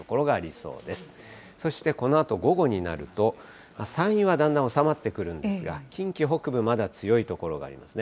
そしてこのあと午後になると、山陰はだんだん収まってくるんですが、近畿北部、まだ強い所がありますね。